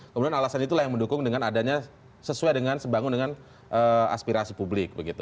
kemudian alasan itulah yang mendukung dengan adanya sesuai dengan sebangun dengan aspirasi publik begitu